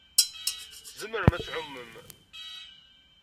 Tzemrem ad tɛummem.